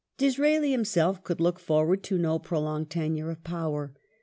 The new Disraeli himself could look forward to no prolonged tenure of power.